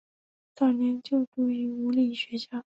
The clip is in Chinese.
早年就读于武岭学校。